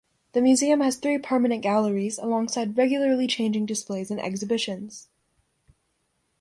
The Museum has three permanent galleries, alongside regularly changing displays and exhibitions.